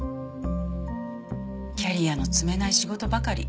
キャリアの積めない仕事ばかり。